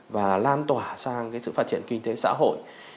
và lan tỏa sang cái sự phát triển kinh tế xã hội